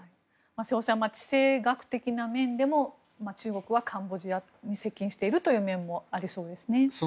瀬尾さん、地政学的な面でも中国はカンボジアに接近しているという面もありそうですね？